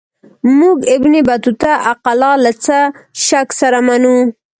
موږ ابن بطوطه اقلا له څه شک سره منو.